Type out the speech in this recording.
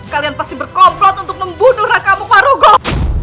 kalian pasti berkomplot untuk membunuh rakamu marugo